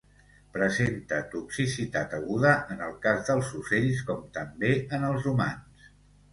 Presenta toxicitat aguda en el cas dels ocells com també en els humans.